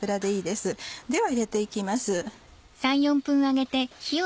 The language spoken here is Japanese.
では入れて行きます。